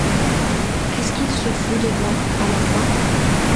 Est-ce qu'il se fout de moi, à la fin!